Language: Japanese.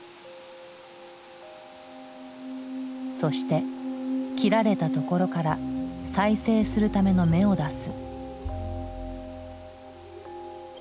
そして切られたところから再生するための芽を出す。